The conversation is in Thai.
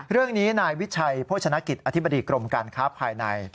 เรื่องนี้นายวิชัยโภชนกิจอธิบดีกรมการค้าภายใน